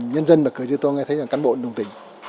nhân dân và cử như tôi nghe thấy là cán bộ đồng tình